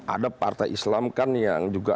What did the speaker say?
ada partai islam kan yang juga